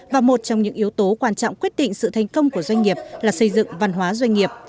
và một trong những yếu tố quan trọng quyết định sự thành công của doanh nghiệp là xây dựng văn hóa doanh nghiệp